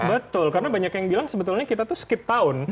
betul karena banyak yang bilang sebetulnya kita tuh skip tahun